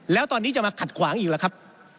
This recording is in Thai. แล้วตอนนี้จะมาขัดขวางอีกหรือครับ